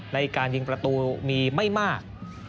ในการยิงประตูมีไม่มาก